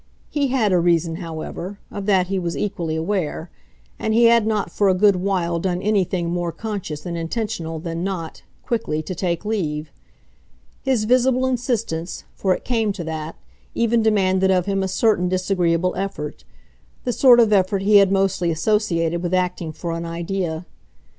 He had a reason, however of that he was equally aware; and he had not for a good while done anything more conscious and intentional than not, quickly, to take leave. His visible insistence for it came to that even demanded of him a certain disagreeable effort, the sort of effort he had mostly associated with acting for an idea.